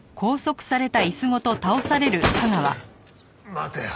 待てよ。